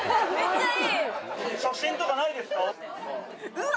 うわ！